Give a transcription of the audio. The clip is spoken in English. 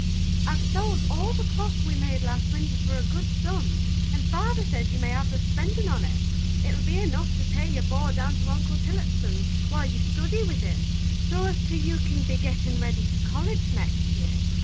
"I've sold all the cloth we made last winter for a good sum, and father says you may hev the spendin' on't. It will be enough to pay your board down to Uncle Tillotson's while you study with him, so 's 't you kin be gettin' ready for college next year.